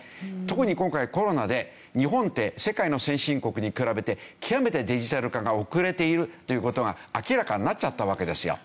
特に今回コロナで日本って世界の先進国に比べて極めてデジタル化が遅れているという事が明らかになっちゃったわけですよ。